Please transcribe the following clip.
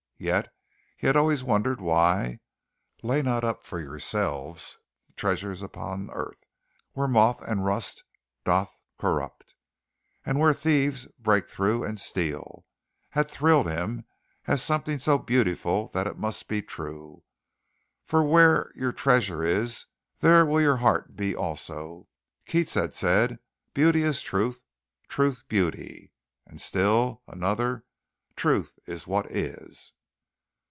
Yet he had always wondered why "Lay not up for yourselves treasures upon earth, where moth and rust doth corrupt, and where thieves break through and steal" had thrilled him as something so beautiful that it must be true "For where your treasure is there will your heart be also." Keats had said "beauty is truth truth beauty," and still another "truth is what is."